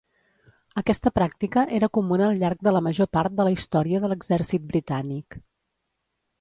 Aquesta pràctica era comuna al llarg de la major part de la història de l'exèrcit britànic.